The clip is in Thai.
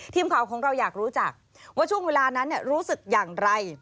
ทีมข่าวของเราอยากรู้จักว่าช่วงเวลานั้นรู้สึกอย่างไร